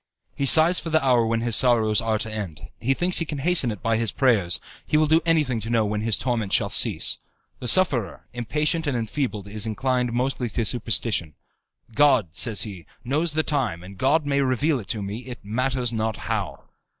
He sighs for the hour when his sorrows are to end; he thinks he can hasten it by his prayers; he will do anything to know when his torments shall cease. The sufferer, impatient and enfeebled, is mostly inclined to superstition. "God," says he, "knows the time, and God may reveal it to me, it matters not how."